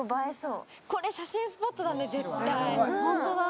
これ写真スポットだね、絶対。